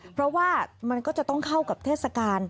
เพราะว่ามันก็จะต้องเข้ากับเทศกาล